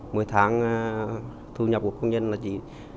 mỗi tháng thu nhập của công nhân là chỉ